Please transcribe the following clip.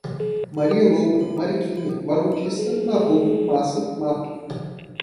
maria louca, mariquinha, marmotista, marrudo, massa, mato